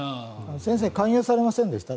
先生は勧誘されませんでした？